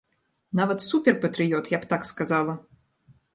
Нават супер-патрыёт, я б так сказала!